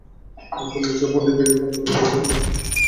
এখন দেশের গণ্ডির বাইরে আঞ্চলিক গণ্ডিতে ছড়িয়ে পড়ার কথা আমরা ভাবতে পারছি।